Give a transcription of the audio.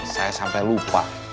saya sampai lupa